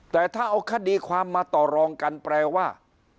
แต่ถ้าเอาคดีความมาต่อรองกันแปลว่า